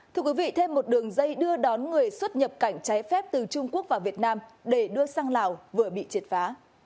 thưa quý vị thêm một đường dây đưa đón người xuất nhập cảnh trái phép từ trung quốc vào việt nam để đưa sang lào vừa bị triệt phá